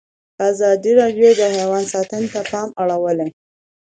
ازادي راډیو د حیوان ساتنه ته پام اړولی.